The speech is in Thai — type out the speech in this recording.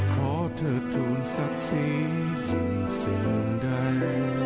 ขอเธอทูลศักดิ์สีขึ้นสิ้นใด